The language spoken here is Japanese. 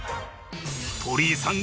鳥居さん